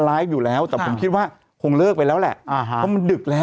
อยู่แล้วแต่ผมคิดว่าคงเลิกไปแล้วแหละอ่าฮะเพราะมันดึกแล้ว